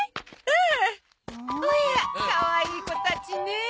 ええ！おやかわいい子たちねえ！